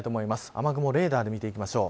雨雲レーダーで見ていきます。